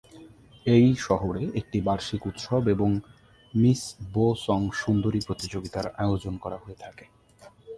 এই শহরে একটি বার্ষিক উৎসব এবং মিস বো সং সুন্দরী প্রতিযোগিতার আয়োজন করা হয়ে থাকে।